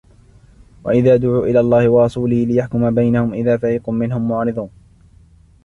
وَإِذَا دُعُوا إِلَى اللَّهِ وَرَسُولِهِ لِيَحْكُمَ بَيْنَهُمْ إِذَا فَرِيقٌ مِنْهُمْ مُعْرِضُونَ